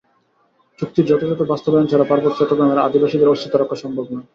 চুক্তির যথাযথ বাস্তবায়ন ছাড়া পার্বত্য চট্টগ্রামের আদিবাসীদের অস্তিত্ব রক্ষা সম্ভব নয়।